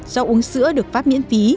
do uống sữa được phát miễn phí